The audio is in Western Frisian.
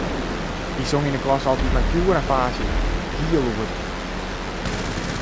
Hy song yn 'e klasse altyd mei fjoer en faasje, hiel lûd.